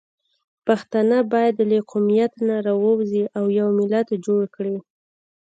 پښتانه باید له قومیت نه راووځي او یو ملت جوړ کړي